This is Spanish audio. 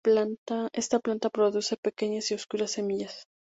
Esta planta produce pequeñas y oscuras semillas.